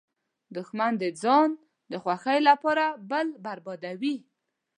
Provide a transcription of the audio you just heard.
دښمن د ځان د خوښۍ لپاره بل بربادوي